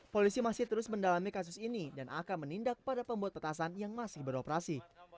polisi masih terus mendalami kasus ini dan akan menindak pada pembuat petasan yang masih beroperasi